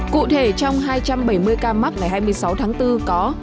cụ thể trong hai trăm bảy mươi ca mắc ngày hai mươi sáu tháng bốn có